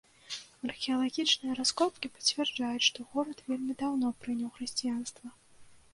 Археалагічныя раскопкі пацвярджаюць, што горад вельмі даўно прыняў хрысціянства.